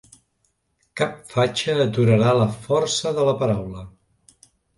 Cap fatxa aturarà la força de la paraula.